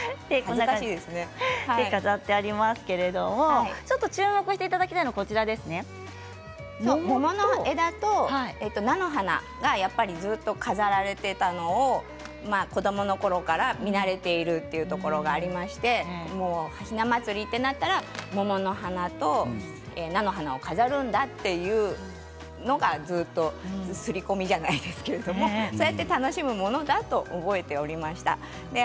飾ってありますけれども注目していただきたいのは桃の枝と菜の花がずっと飾られていたのを子どものころから見慣れているというところがありましてひな祭りということになったら桃の花と菜の花を飾るんだというのがすり込みじゃないですけれどそうやって楽しむものだと覚えておりました。